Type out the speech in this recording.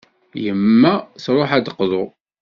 Yemma truḥ ad d-teqḍu.